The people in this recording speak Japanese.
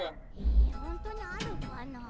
ほんとうにあるかな？